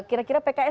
kira kira pks itu apa